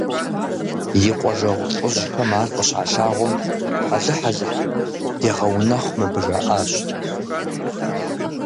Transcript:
И къуажэгъу лӀыжьхэм ар къыщалъагъум, алыхь – алыхь дегъэунэхъу мыбы, жаӀащ.